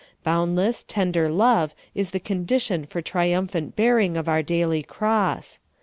Boundless, tender love is the condition for tri umphant bearing of our daily cross.